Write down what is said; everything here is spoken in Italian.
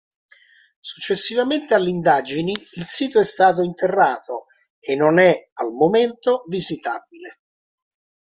Successivamente alle indagini il sito è stato interrato e non è, al momento, visitabile.